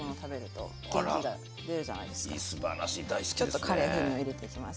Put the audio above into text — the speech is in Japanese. ちょっとカレー風味を入れていきます。